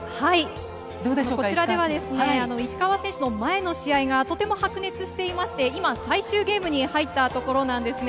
こちらでは石川選手の前の試合がとても白熱していまして、今、最終ゲームに入ったところなんですね。